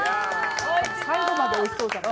最後まで美味しそうじゃない？